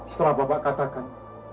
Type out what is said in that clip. setelah bapak katakan